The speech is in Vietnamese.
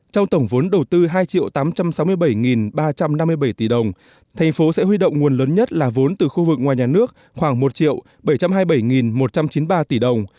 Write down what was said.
trong tổng vốn đầu tư hai tám trăm sáu mươi bảy ba trăm năm mươi bảy tỷ đồng thành phố sẽ huy động nguồn lớn nhất là vốn từ khu vực ngoài nhà nước khoảng một bảy trăm hai mươi bảy một trăm chín mươi ba tỷ đồng